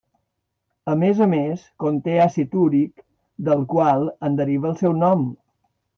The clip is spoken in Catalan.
A més a més, conté àcid úric del qual en deriva el seu nom.